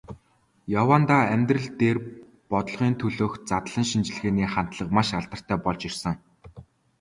Яваандаа амьдрал дээр, бодлогын төлөөх задлан шинжилгээний хандлага маш алдартай болж ирсэн.